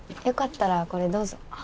よかったらこれどうぞ。